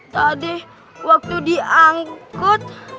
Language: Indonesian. tadi waktu diangkut